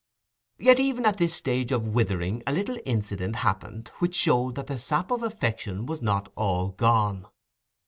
Yet even in this stage of withering a little incident happened, which showed that the sap of affection was not all gone.